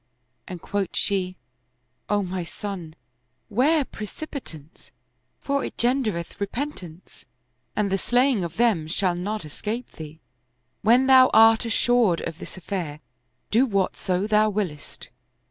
And quoth she, " O my son, 'ware precipitance, for it gendereth repentance and the slaying of them shall not escape thee. When thou art assured of this aifair, do whatso thou wiliest."